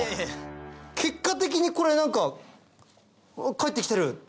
結果的にこれ何かかえって来てる。